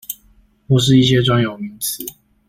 或是一些專有名詞